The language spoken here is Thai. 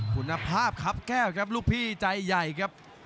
คุณภาพครับแก้วครับลูกพี่ใจใหญ่ครับ